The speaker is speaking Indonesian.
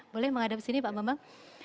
boleh menghadap sini pak bambang